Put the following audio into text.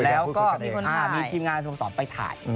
แล้วก็มีทีมงานสโมสรไปถ่าย